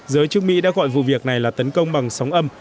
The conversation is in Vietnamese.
giới chức mỹ đã gọi vụ việc này là tấn công bằng sóng âm